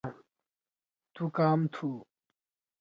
تُو کام تُھو؟